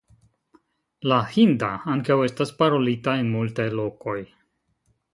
La hinda ankaŭ estas parolita en multaj lokoj.